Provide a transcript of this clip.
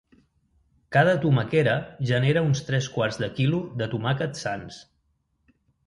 Cada tomaquera genera uns tres quarts de quilo de tomàquets sans.